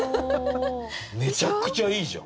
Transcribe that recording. めちゃくちゃいいじゃん。